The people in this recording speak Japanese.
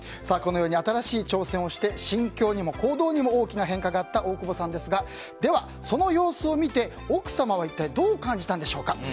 このように新しい挑戦をして心境にも行動にも大きな変化があった大久保さんですがでは、その様子を見て奥様は一体どう感じたんでしょうか。